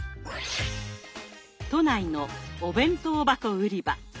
都内のお弁当箱売り場。